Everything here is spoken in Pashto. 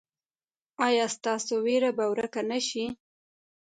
ایا ستاسو ویره به ورکه نه شي؟